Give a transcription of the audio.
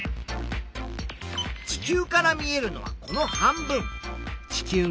地球から見えるのはこの半分。